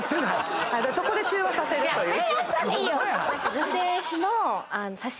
そこで中和させるという。